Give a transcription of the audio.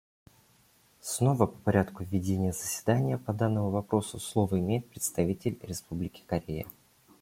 Снова по порядку ведения заседания по данному вопросу слово имеет представитель Республики Корея.